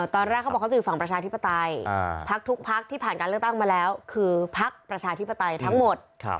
ตอนแรกเขาบอกเขาจะอยู่ฝั่งประชาธิปไตยพักทุกพักที่ผ่านการเลือกตั้งมาแล้วคือพักประชาธิปไตยทั้งหมด